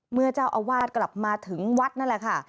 เมื่อเจ้าอาวาสกลับมาถึงวัดนั่นแหละค่ะ